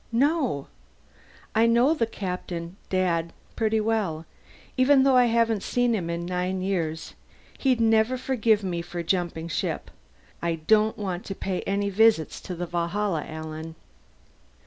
"No." "I know the Captain Dad pretty well. Even though I haven't seen him in nine years. He'd never forgive me for jumping ship. I don't want to pay any visits to the Valhalla, Alan."